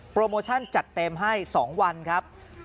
โมชั่นจัดเต็มให้๒วันครับ